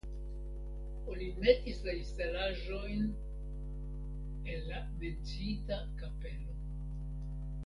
Oni metis la instalaĵojn el la menciita kapelo.